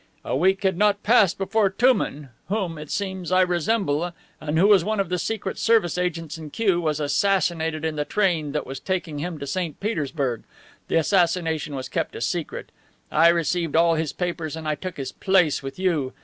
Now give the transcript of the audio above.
A week had not passed before Touman, whom, it seems, I resemble and who was one of the Secret Service agents in Kiew, was assassinated in the train that was taking him to St. Petersburg. The assassination was kept a secret. I received all his papers and I took his place with you.